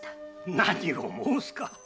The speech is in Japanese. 何を申すか。